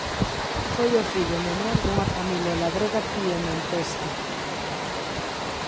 Foi o fillo menor dunha familia labrega piemontesa.